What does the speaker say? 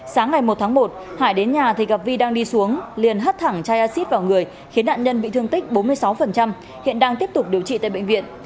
sáng ngày một tháng một hải đến nhà thì gặp vi đang đi xuống liền hắt thẳng chai acid vào người khiến nạn nhân bị thương tích bốn mươi sáu hiện đang tiếp tục điều trị tại bệnh viện